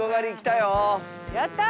やった！